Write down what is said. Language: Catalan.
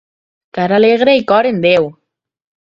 Cara alegre i cor en Déu.